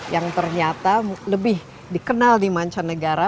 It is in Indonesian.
yang ternyata lebih dikenal di mancanegara